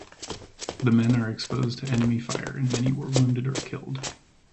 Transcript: The men are exposed to enemy fire and many were wounded or killed.